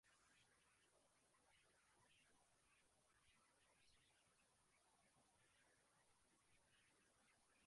সেখানেই rugby union ও ক্রিকেটে দক্ষতা প্রদর্শন করেন তিনি।